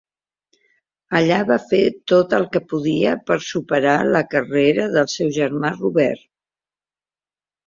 Allà va fer tot el que podia per superar la carrera del seu germà Robert.